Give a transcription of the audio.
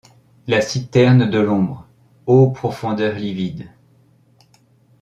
la citerne de l’ombre ! Ô profondeurs livides !